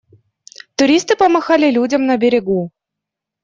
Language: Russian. Туристы помахали людям на берегу.